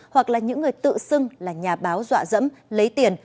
hoặc là những người tự xưng là nhà báo dọa dẫm lấy tiền